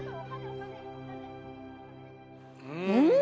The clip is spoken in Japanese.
うん。